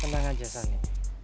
tenang aja sani